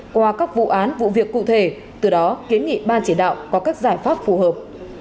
qua các vụ án vụ việc cụ thể từ đó kiến nghị ban chỉ đạo có các giải pháp phù hợp